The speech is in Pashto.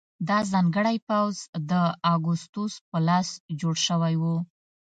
دا ځانګړی پوځ د اګوستوس په لاس جوړ شوی و.